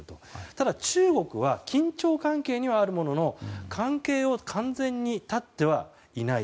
ただ中国は緊張関係にはあるものの関係を完全に断ってはいない。